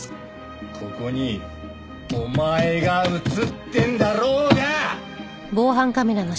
ここにお前が写ってんだろうが！